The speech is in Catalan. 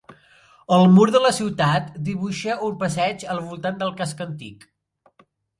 El mur de la ciutat dibuixa un passeig al voltant del casc antic.